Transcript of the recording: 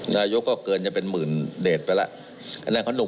นายุก็เกินยังเป็นหมื่นเดสไปแล้วอันนั้นเขาหนุ่ม